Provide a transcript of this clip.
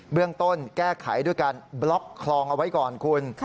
เรื่องต้นแก้ไขด้วยการบล็อกคลองเอาไว้ก่อนคุณ